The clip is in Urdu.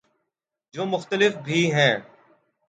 جو مختلف بھی ہیں